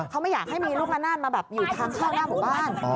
เขาไม่อยากให้มีลูกละนาดมาแบบอยู่ทางเข้าหน้าหมู่บ้าน